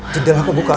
jendela mate buka